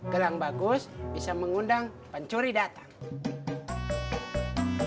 gelang bagus bisa mengundang pencuri datang